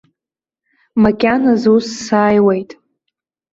Макьаназ ус сааиуеит.